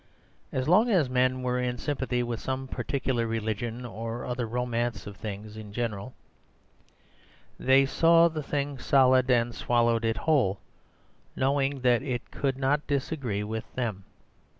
As long as men were in sympathy with some particular religion or other romance of things in general, they saw the thing solid and swallowed it whole, knowing that it could not disagree with them.